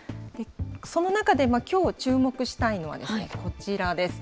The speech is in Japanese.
その中で、きょう注目したいのはこちらです。